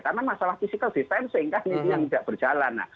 karena masalah physical distance sehingga ini nggak berjalan